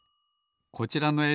こちらのえい